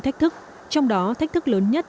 thách thức trong đó thách thức lớn nhất